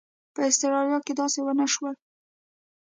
په اسټرالیا کې داسې ونه شول.